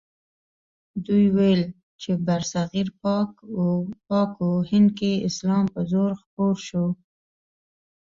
دوی ویل چې برصغیر پاک و هند کې اسلام په زور خپور شو.